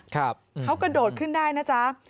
เขากระโดดขึ้นได้นะจ๊ะ